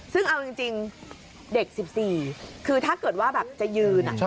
ซึ่งเอาจริงเด็ก๑๔คือถ้าเกิดว่าแบบจะยืน